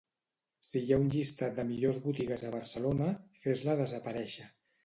Si hi ha un llistat de millors botigues a Barcelona, fes-la desaparèixer.